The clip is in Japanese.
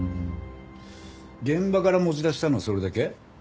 現場から持ち出したのはそれだけ？